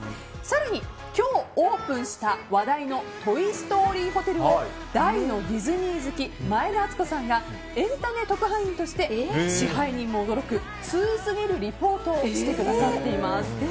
更に、今日オープンした話題のトイ・ストーリーホテルを大のディズニー好き前田敦子さんがエンタメ特派員として支配人も驚く通すぎるリポートをしてくださっています。